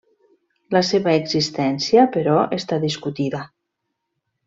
La seva existència, però, està discutida.